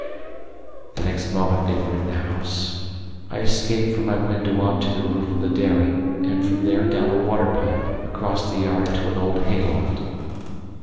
The next moment they were in the house. I escaped from my window on to the roof of the dairy, and from there down a water pipe, across the yard to an old hay loft.